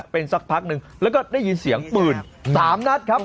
เป็นสักพักหนึ่งแล้วก็ได้ยินเสียงปืน๓นัดครับ